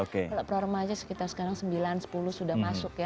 kalau pro remaja sekitar sekarang sembilan sepuluh sudah masuk ya